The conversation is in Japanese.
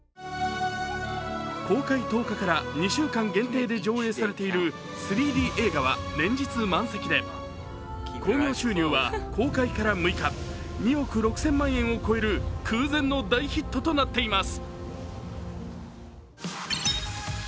今月１０日から２週間限定で上映されている３Ｄ映画は連日満席で興行収入は公開から６日、２億６０００万円を超える空前の大ヒットとなっています。